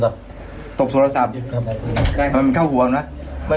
ตกหรือว่าตั้งใจยิงมันป่ะตกอ่าลูกผู้ชายอ่าลูกผู้ชาย